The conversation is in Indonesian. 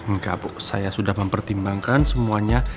nggak bu saya sudah mempertimbangkan semuanya